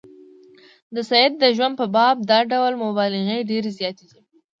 د سید د ژوند په باب دا ډول مبالغې ډېرې زیاتې دي.